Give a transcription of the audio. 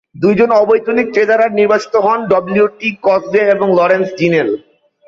দুইজন অবৈতনিক ট্রেজারার নির্বাচিত হন, ডব্লিউ. টি. কসগ্রেভ এবং লরেন্স জিনেল।